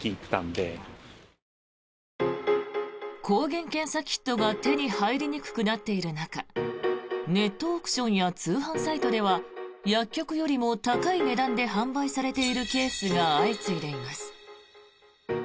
抗原検査キットが手に入りにくくなっている中ネットオークションや通販サイトでは薬局よりも高い値段で販売されているケースが相次いでいます。